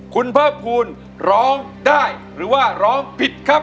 คุณเพิ่มภูมิร้องได้หรือว่าร้องผิดครับ